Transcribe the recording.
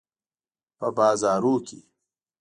په بازارونو کې